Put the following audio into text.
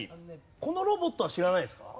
このロボットは知らないんですか？